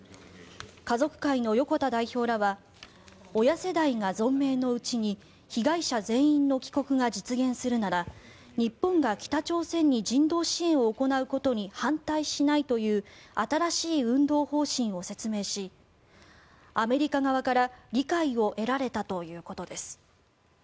家族会の横田代表らは親世代が存命のうちに被害者全員の帰国が実現するなら日本が北朝鮮に人道支援を行うことに反対しないという新しい運動方針を説明しアメリカ側から理解を得られたということです。